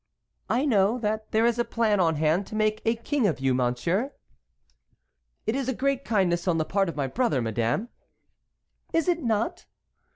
"I know that there is a plan on hand to make a king of you, monsieur." "It is a great kindness on the part of my brother, madame." "Is it not?"